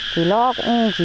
thì nó cũng chỉ